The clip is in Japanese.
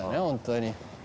本当に。